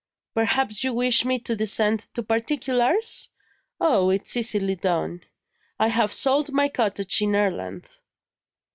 Perhaps you wish me to descend to particulars? Oh, it's easily done; I have sold my cottage in Ireland."